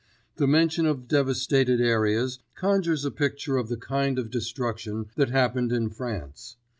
The mention of devastated areas conjures a picture of the kind of destruction that happened in France.